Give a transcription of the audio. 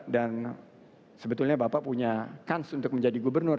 dan sebetulnya bapak punya kans untuk menjadi gubernur